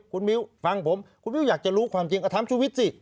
คุณมิ้วฟังผมคุณมิ้วอยากจะรู้ความจริงก็ถามชุวิตสิ